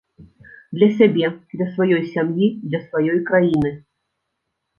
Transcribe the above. Для сябе, для сваёй сям'і, для сваёй краіны.